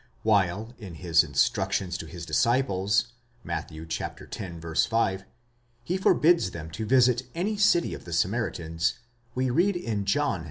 While in his instructions to his disciples (Matt. x. 5), he forbids them to visit any city of the Samaritans, we read in John (iv.)